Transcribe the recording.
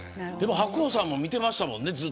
白鵬さんも見てましたもんね。